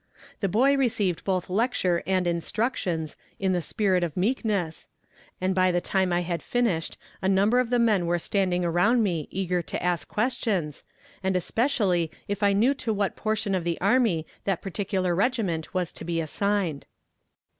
The boy received both lecture and instructions "in the spirit of meekness," and by the time I had finished a number of the men were standing around me eager to ask questions, and especially if I knew to what portion of the army that particular regiment was to be assigned.